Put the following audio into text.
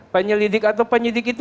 penyelidik atau penyidik itu